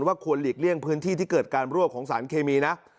ควรหลีกเลี่ยงพื้นที่ที่เกิดการรั่วของสารเคมีนะ